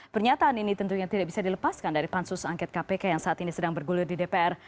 pernyataan ini tentunya tidak bisa dilepaskan dari pansus angket kpk yang saat ini sedang bergulir di dpr